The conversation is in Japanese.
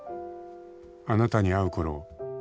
「あなたに会うころ